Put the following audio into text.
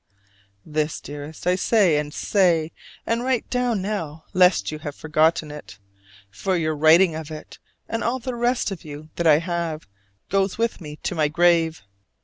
This, dearest, I say and say: and write down now lest you have forgotten it. For your writing of it, and all the rest of you that I have, goes with me to my grave.